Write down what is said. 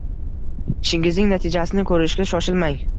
Ishingizning natijasini ko’rishga shoshilmang